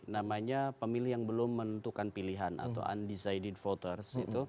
namanya pemilih yang belum menentukan pilihan atau undecided voters